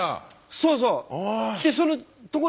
そうそう！